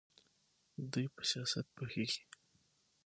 دوی په سیاست پوهیږي.